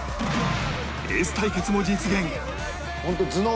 エース対決も実現